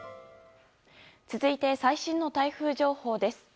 続いて、最新の台風情報です。